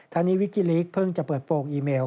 ทางนี้วิกิลิกเพิ่งจะเปิดโปรงอีเมล